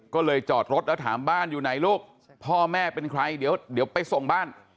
ก็เลยจอดรถแล้วถามบ้านอยู่ไหนลูกพ่อแม่เป็นใครเดี๋ยวไปส่งบ้าน